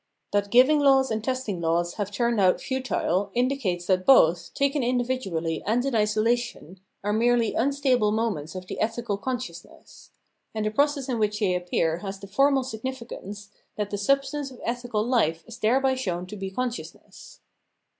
That giving laws and testing laws have turned out futile indicates that both, taken individually and in isola tign, are merely unstable moments of the ethical con sciousness ; and the process in which they appear has the formal significance, that the substance of ethical life is thereby shown to be consciousness.